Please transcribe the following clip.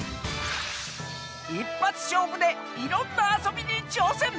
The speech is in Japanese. いっぱつしょうぶでいろんなあそびにちょうせん！